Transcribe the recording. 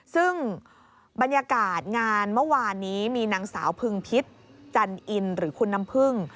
ซึ่งบรรยากาศงานเมื่อวานนี้มีนางสาวพึงพิษจันอินหรือคุณน้ำพึ่ง